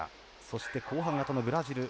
そして、後半型のブラジル。